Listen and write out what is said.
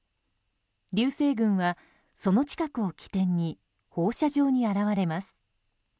流星群は、その近くを起点に放射状に現れます。